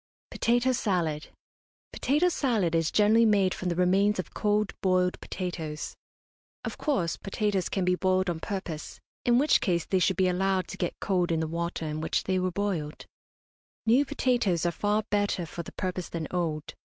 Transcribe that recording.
POTATO SALAD. Potato salad is generally made from the remains of cold boiled potatoes. Of course, potatoes can be boiled on purpose, in which case they should be allowed to get cold in the water in which they were boiled. New potatoes are far better for the purpose than old.